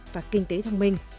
và kinh tế thông minh